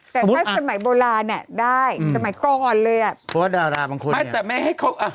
แต่ถ้าสมัยโบราณอ่ะได้สมัยก่อนเลยอ่ะเพราะว่าดาราบางคนไม่แต่ไม่ให้เขาอ่ะ